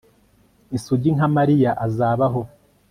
isugi nka mariya , azabaho